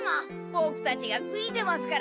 ボクたちがついてますから！